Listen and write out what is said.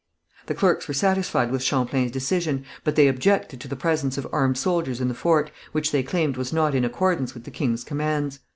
The clerks were satisfied with Champlain's decision, but they objected to the presence of armed soldiers in the fort, which they claimed was not in accordance with the king's commands.